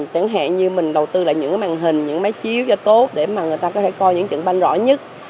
chẳng hạn như mình đầu tư lại những màn hình những máy chiếu cho tốt để mà người ta có thể coi những trận ban rõ nhất